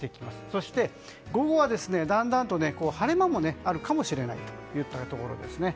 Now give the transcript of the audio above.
そして、午後はだんだんと晴れ間もあるかもしれないというところです。